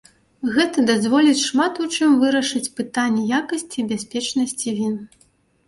Гэта дазволіць шмат у чым вырашыць пытанні якасці і бяспечнасці він.